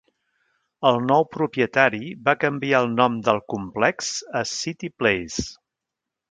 El nou propietari va canviar el nom del complex a City Place.